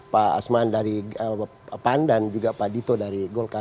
pak asman dari pan dan juga pak dito dari golkar